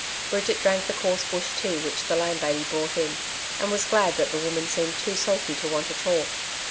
Bridget drank the coarse bush tea which the landlady brought in, and was glad that the woman seemed too sulky to want to talk.